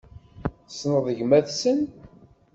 Tessneḍ gmat-nsen?